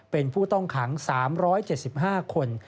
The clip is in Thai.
เป็นผู้ต้องขัง๓๗๕คน